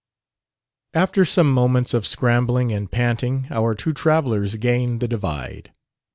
After some moments of scrambling and panting our two travelers gained the divide.